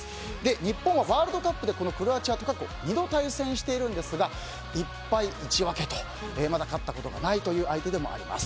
日本はワールドカップでクロアチアと過去２度対戦しているんですが１敗１分けとまだ勝ったことがないという相手でもあります。